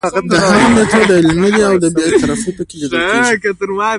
د هغه میتود علمي دی او بې طرفي پکې لیدل کیږي.